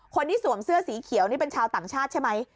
สวมเสื้อสีเขียวนี่เป็นชาวต่างชาติใช่ไหม